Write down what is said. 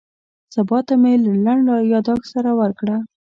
سبا ته مې له لنډ یاداښت سره ورکړه.